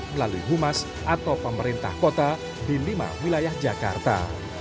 melalui humas atau pemerintah kota di lima wilayah jakarta